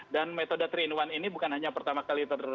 dan metode tiga in satu ini bukan hanya pertama kali